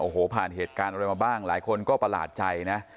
โอ้โหผ่านเหตุการณ์อะไรมาบ้างหลายคนก็ประหลาดใจนะ